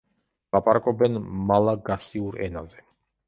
ლაპარაკობენ მალაგასიურ ენაზე.